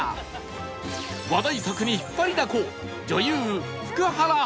話題作に引っ張りだこ